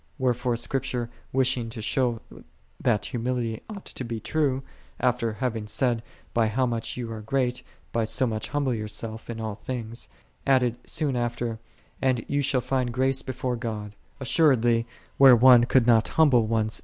Wherefore Scripture wishing to show that humility ought to be true, after having said, "By how much thou art great, by so much humble thyself in all things," added soon after, "And thou shall find grace before God:"1 assuredly where one could not humble one's self deceitfully.